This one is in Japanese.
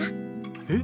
えっ？